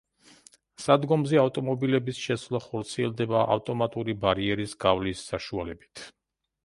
სადგომზე ავტომობილების შესვლა ხორციელდება ავტომატური ბარიერის გავლის საშუალებით.